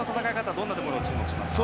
どんなところに注目しますか。